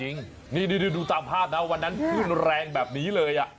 นี่ดูตามภาพนะวันนั้นขึ้นแรงแบบนี้เลย